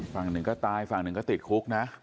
ฝั่งหนึ่งก็ตายฝั่งหนึ่งก็ติดคุกนะ